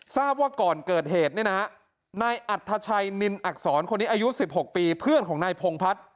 ทราบว่าก่อนเกิดเหตุเนี่ยนะนายอัธชัยนินอักษรคนนี้อายุ๑๖ปีเพื่อนของนายพงพัฒน์